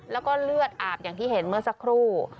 แล้วก็เลือดอาบอย่างที่เห็นเมื่อสักครู่